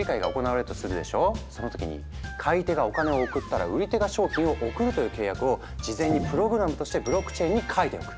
その時に買い手がお金を送ったら売り手が商品を送るという契約を事前にプログラムとしてブロックチェーンに書いておく。